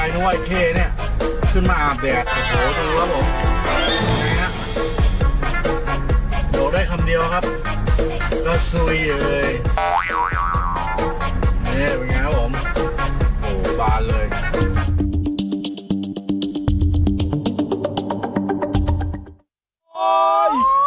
นะครับผมหอยแม่จ๋าไม่กล้าไปจ้า